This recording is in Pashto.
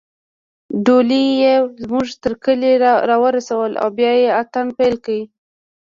ډولۍ يې زموږ تر کلي راورسوله او بیا يې اتڼ پیل کړ